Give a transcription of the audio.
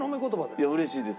いや嬉しいです。